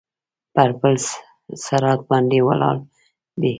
پر پل صراط باندې ولاړ دی.